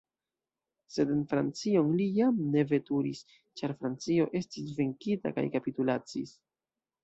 Sed en Francion li jam ne veturis, ĉar Francio estis venkita kaj kapitulacis.